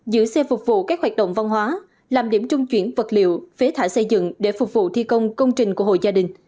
giữ xe phục vụ các hoạt động văn hóa làm điểm trung chuyển vật liệu phế thải xây dựng để phục vụ thi công công trình của hội gia đình